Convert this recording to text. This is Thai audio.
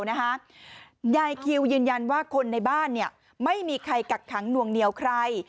ยายคิวยืนยันว่าคนในบ้านไม่มีใครกักขังหน่วงเหนียวใคร